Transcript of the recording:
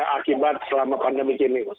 akibat selama pandemi kini